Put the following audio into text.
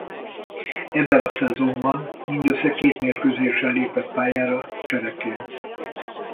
Ebben a szezonban mindössze két mérkőzésen lépett pályára csereként.